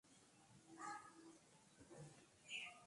মনোনয়নপত্র জমা দেওয়ার শেষ দিন পার হওয়ায় গতকাল শুক্রবার বাড়ি ফিরেছেন।